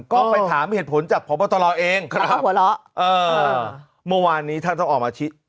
ก็ต้องไปถามเหตุผลจากผอตลอวเองครับ